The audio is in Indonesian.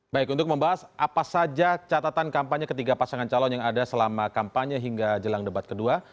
baik untuk membahas apa saja catatan kampanye ketiga pasangan calon yang ada selama kampanye hingga jelang debat kedua